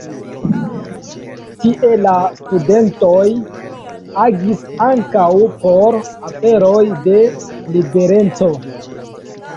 Tie la studentoj agis ankaŭ por aferoj de libereco.